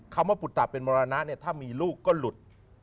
คำว่าปุตตะเป็นมรณะเนี่ยถ้ามีลูกก็หลุด